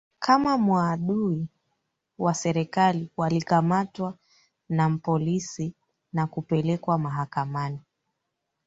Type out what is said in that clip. kama maadui wa serikali Walikamatwa na polisi na kupelekwa mahakamani